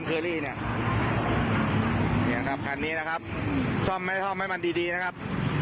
เคอรี่เนี่ยครับคันนี้นะครับซ่อมไม่ได้ซ่อมให้มันดีดีนะครับ